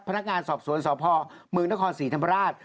พนักงานสอบสวนสพเมืองนครศรีธรรมราช